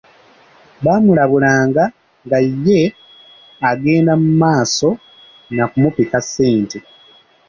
Baamulabulanga nga ye agenda mu maaso nakumupiika ssente.